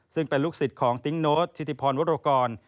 ซึ่งเป็นลูกศิษย์ของติ๊งโน้ตธิติพรวรกร